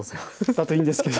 だといいんですけど。